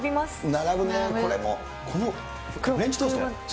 並ぶね、これも、フレンチトースト。